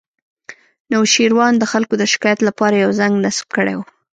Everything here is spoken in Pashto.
نوشیروان د خلکو د شکایت لپاره یو زنګ نصب کړی و